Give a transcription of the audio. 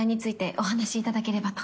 お話いただければと。